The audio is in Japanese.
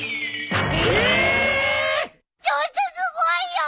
ちょっとすごいよ！